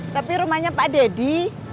tapi rumahnya pak deddy